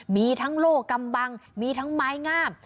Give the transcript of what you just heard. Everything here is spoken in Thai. มีทั้งโลกกำบังมีทั้งไม้งาม